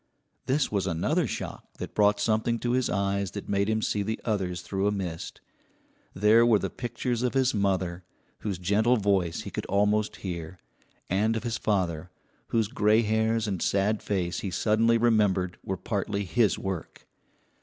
This was another shock that brought something to his eyes that made him see the others through a mist. There were the pictures of his mother, whose gentle voice he could almost hear, and of his father, whose gray hairs and sad face he suddenly remembered were partly his work.